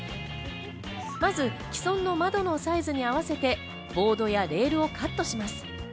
まず既存の窓のサイズに合わせてボードやレールをカットします。